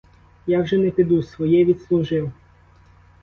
Я вже не піду, своє відслужив.